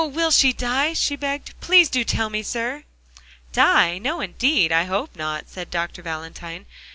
will she die?" she begged; "please do tell me, sir?" "Die? no indeed, I hope not," said Dr. Valentine.